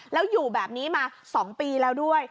แล้วอยู่แบบนี้มา๒ปีแล้วด้วย